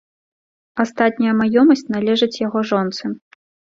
Астатняя маёмасць належыць яго жонцы.